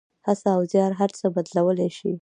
هڅه او زیار هر څه بدلولی شي.